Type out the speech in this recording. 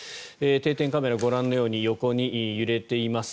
定点カメラご覧のように横に揺れています。